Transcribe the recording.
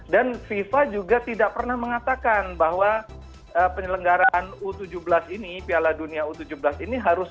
dan fifa juga tidak pernah mengatakan bahwa penyelenggaran u tujuh belas ini piala dunia u tujuh belas ini harus